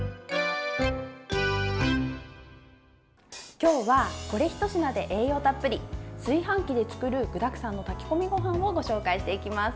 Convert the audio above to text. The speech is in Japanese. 今日はこれひと品で栄養たっぷり炊飯器で作る具だくさんの炊き込みごはんをご紹介していきます。